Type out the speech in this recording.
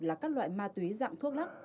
là các loại ma túy dạng thuốc lắc